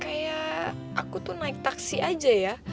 kayak aku tuh naik taksi aja ya